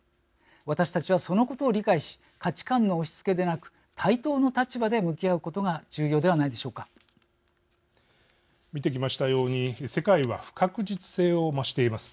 私たちはそのことを理解し価値観の押し付けでなく対等の立場で向き合うことが見てきましたように世界は不確実性を増しています。